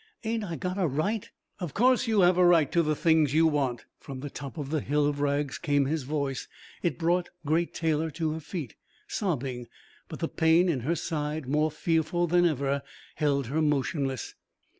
"Ain't I got a right?..." "Of course you have a right to the things you want." From the top of the hill of rags came his voice. It brought Great Taylor to her feet, sobbing. But the pain in her side, more fearful than ever, held her motionless.